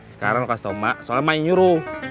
sekarang lo kasih tau mak soalnya ma yang nyuruh